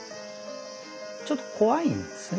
ちょっと怖いんですよね